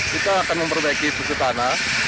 kita akan memperbaiki suhu tanah